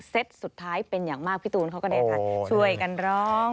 สุดท้ายเป็นอย่างมากพี่ตูนเขาก็ได้ช่วยกันร้อง